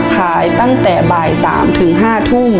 ขายตั้งแต่บ่าย๓ถึง๕ทุ่ม